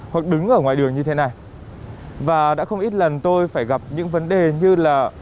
hoặc đứng ở ngoài đường như thế này và đã không ít lần tôi phải gặp những vấn đề như là